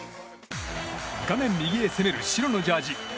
画面右へ攻める白のジャージー